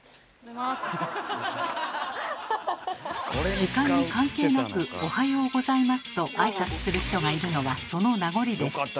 時間に関係なく「おはようございます」と挨拶する人がいるのはその名残です。